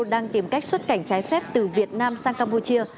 đang tìm cách xuất cảnh trái phép từ việt nam sang campuchia